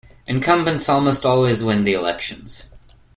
Incumbents almost always win the elections.